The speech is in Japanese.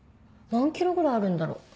何ｋｍぐらいあるんだろ？